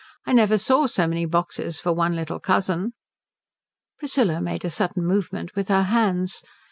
I never saw so many boxes for one little cousin." Priscilla made a sudden movement with her hands.